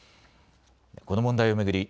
この問題を巡り